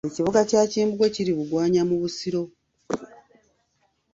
Ekibuga kya Kimbugwe kiri Bugwanya mu Busiro.